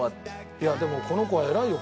いやでもこの子は偉いよ